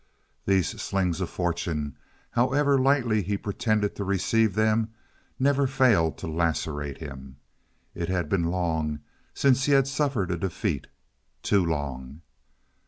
These slings of fortune, however lightly he pretended to receive them, never failed to lacerate him. It had been long since he had suffered a defeat—too long.